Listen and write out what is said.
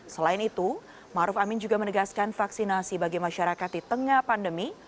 selain itu maruf amin juga menegaskan vaksinasi bagi masyarakat di tengah pandemi